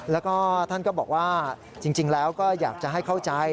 แล้วก็ท่านก็บอกว่าจริงแล้วก็อยากจะให้เข้าใจ